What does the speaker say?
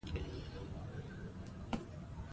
افغانستان کې ګاز د خلکو د خوښې وړ ځای دی.